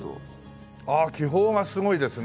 あっ気泡がすごいですね。